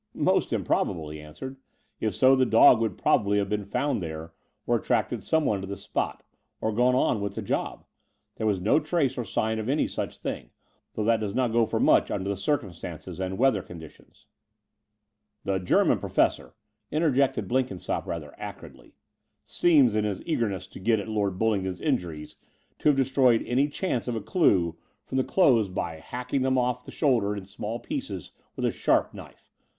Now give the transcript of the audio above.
"Most improbable," he answered. ^*If so, the dog would probably have been found there or attracted someone to the spot, or gone on with the job. There was no trace or sign of any such thing, though that does not go for much under the cir cumstances and weather conditions." That German professor," interjected Blenkin sopp rather acridly, seems, in his eagerness to get at LfOrd Bullingdon's injuries, to have de stroyed any chance of a due from the clothes by The Brighton Road 79 hacking them oflf the shoulder in small pieces with a sharp knife.